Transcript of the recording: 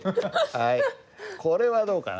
これはどうかな？